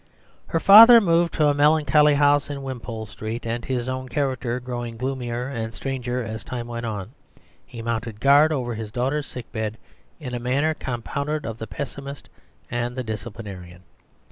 Her father moved to a melancholy house in Wimpole Street; and his own character growing gloomier and stranger as time went on, he mounted guard over his daughter's sickbed in a manner compounded of the pessimist and the disciplinarian.